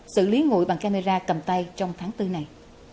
xử lý ngồi bằng camera cầm tay trong tháng bốn này